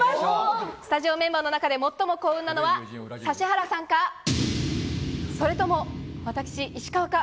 スタジオメンバーの中で最も幸運なのは指原さんか、それとも私、石川か。